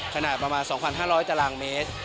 ขนาดประมาณ๒๕๐๐ตารางเมตร